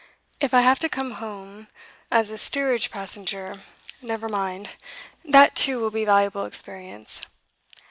If I have to come home as a steerage passenger, never mind; that, too, will be valuable experience.